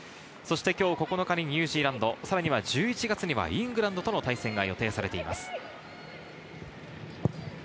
今日９日にニュージーランド、１１月にはイングランドとの対戦が予定されています。